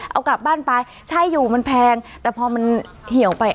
เอากลับบ้านไปใช่อยู่มันแพงแต่พอมันเหี่ยวไป